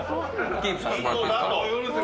キープさせてもらっていいですか。